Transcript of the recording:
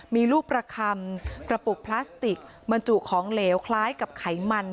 มีลูกประคำกระปุกพลาสติกบรรจุของเหลวคล้ายกับไขมัน